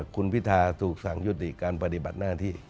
คุณพิธาถูกสั่งยุติการปฏิบัติหน้าที่